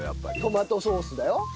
トマトソースだよ？